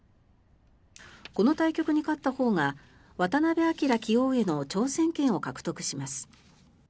この対局に勝ったほうが渡辺明棋王への挑戦権を獲得します。